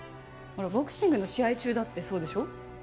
ほらボクシングの試合中だってそうでしょ？